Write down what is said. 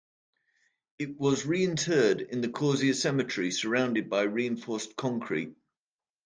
It was re-interred in the Corsier cemetery surrounded by reinforced concrete.